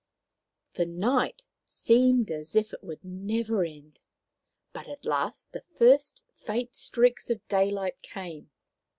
The night seemed as if it would never end ; but at last the first faint streaks of daylight came.